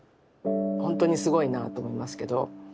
ほんとにすごいなと思いますけど。